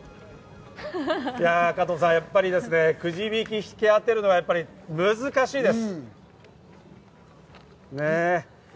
加藤さん、やっぱりくじ引き、引き当てるのは、やっぱり難しいです。